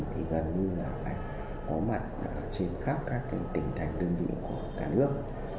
thì gần như là phải có mặt trên khắp các tỉnh thành đơn vị của cả nước